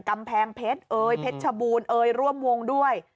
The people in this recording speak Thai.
กำแพงเพชรเอ่ยเพชรชบูรณเอยร่วมวงด้วย